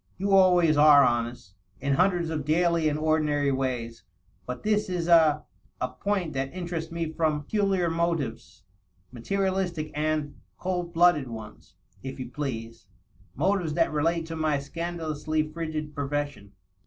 You always are honesty in hundreds of daily and ordinary ways. But this is a .. a point that interests me from pecu liar motives — ^materialistic and .. cold blooded ones, if you please — motives that relate to my scandalously frigid profession.